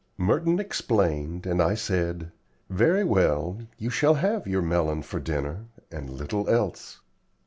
Merton explained, and I said: "Very well, you shall have your melon for dinner, and little else.